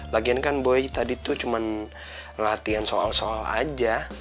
lagian kan boy tadi tuh cuma latihan soal soal aja